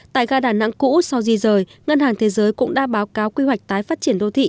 tại gà đà nẵng cũ sau di rời ngân hàng thế giới cũng đã báo cáo quy hoạch tái phát triển đô thị